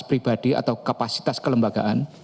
pribadi atau kapasitas kelembagaan